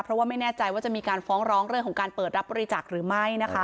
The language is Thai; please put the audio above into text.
เพราะว่าไม่แน่ใจว่าจะมีการฟ้องร้องเรื่องของการเปิดรับบริจาคหรือไม่นะคะ